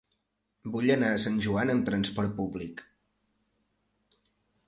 Vull anar a Sant Joan amb transport públic.